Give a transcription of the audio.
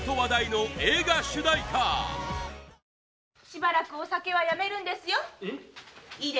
しばらくお酒はやめるんですよ。